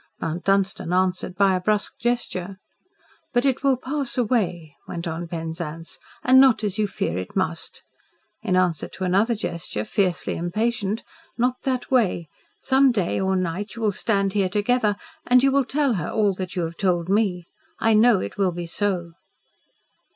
Mount Dunstan answered by a brusque gesture. "But it will pass away," went on Penzance, "and not as you fear it must," in answer to another gesture, fiercely impatient. "Not that way. Some day or night you will stand here together, and you will tell her all you have told me. I KNOW it will be so."